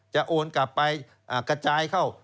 โอนกลับไปกระจายเข้า